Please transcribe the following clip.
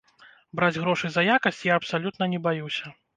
Браць грошы за якасць я абсалютна не баюся.